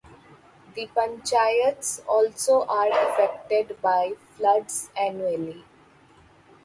The panchayats also are effected by floods annually.